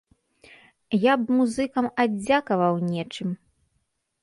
Я б музыкам аддзякаваў нечым.